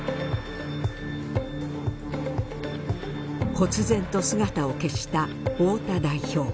こつぜんと姿を消した太田代表。